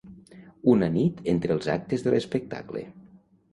Una nit entre els actes de l'espectacle.